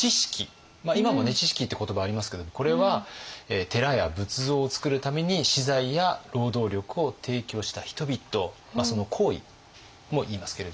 今もね「知識」って言葉ありますけどもこれは寺や仏像をつくるために私財や労働力を提供した人々その行為もいいますけれども。